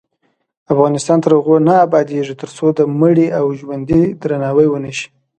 افغانستان تر هغو نه ابادیږي، ترڅو د مړي او ژوندي درناوی ونشي.